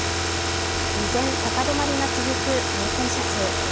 依然、高止まりが続く感染者数。